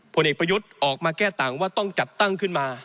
ผลเอกประยุทธ์ออกมาแก้ต่างว่าต้องจัดตั้งขึ้นมา